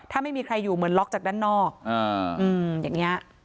ถ้าไม่มีใครอยู่เหมือนล็อกจากด้านนอกอย่างนี้